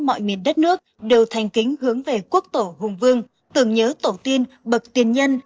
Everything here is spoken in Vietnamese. mọi miền đất nước đều thành kính hướng về quốc tổ hùng vương tưởng nhớ tổ tiên bậc tiền nhân